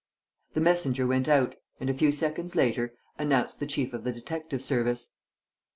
The messenger went out and, a few seconds later, announced the chief of the detective service.